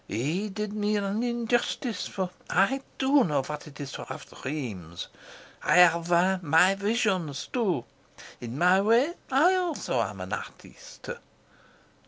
"He did me an injustice, for I too know what it is to have dreams. I have my visions too. In my way I also am an artist."